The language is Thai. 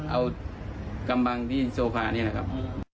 เอากำบังที่โซพานี่แหละครับ